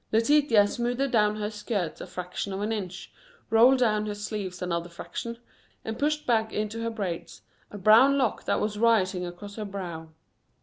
Letitia smoothed down her skirts a fraction of an inch, rolled down her sleeves another fraction and pushed back into her braids a brown lock that was rioting across her brow.